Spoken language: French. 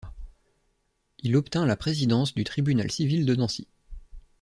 Il obtint la présidence du tribunal civil de Nancy.